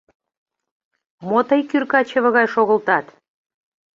— Мо тый кӱрка чыве гай шогылтат?